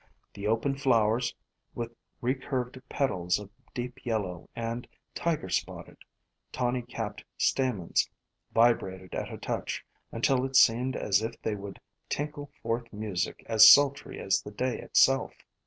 The open flowers, with recurved petals of deep yellow, and tiger spotted, tawny capped stamens, vibrated at a touch, until it seemed as if they would tinkle forth music as sultry as the day itself.